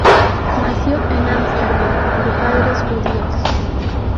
Nació en Ámsterdam de padres judíos.